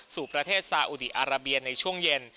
สู่ประเทศซาอุดีอาราเบียในช่วงเย็น